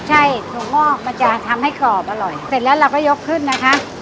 ใช่ถั่วงอกมันจะทำให้กรอบอร่อยเสร็จแล้วเราก็ยกขึ้นนะคะ